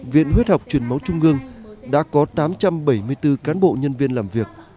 viện huyết học truyền máu trung ương đã có tám trăm bảy mươi bốn cán bộ nhân viên làm việc